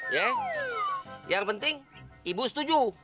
ya yang penting ibu setuju